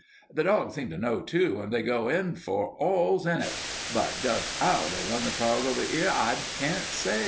The dogs seem to know, too, and they go in for all's in it. But just 'ow they run the trials over 'ere, I can't say.